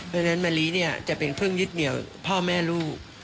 เพราะฉะนั้นมะลิจะเป็นพึ่งยึดเหนียวพ่อแม่ลูก